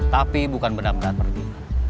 tapi bukan benar benar pergi